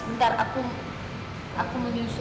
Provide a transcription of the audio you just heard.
bentar aku mau nyusul